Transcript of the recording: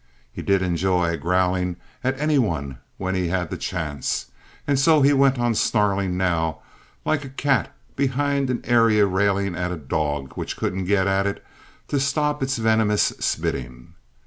He did enjoy growling at any one when he had the chance; and so he went on snarling now, like a cat behind an area railing at a dog which couldn't get at it to stop its venomous spitting.